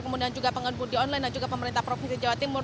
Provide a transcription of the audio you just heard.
kemudian juga pengemudi online dan juga pemerintah provinsi jawa timur